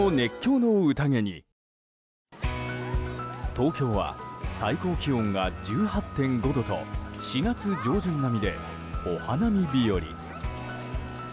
東京は最高気温が１８．５度と４月上旬並みで、お花見日和。